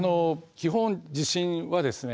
基本地震はですね